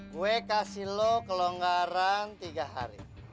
gue kasih lo kelonggaran tiga hari